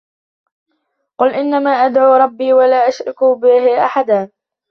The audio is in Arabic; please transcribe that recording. قل إنما أدعو ربي ولا أشرك به أحدا